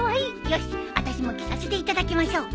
よしあたしも着させていただきましょう。